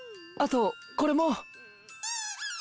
あとこれも。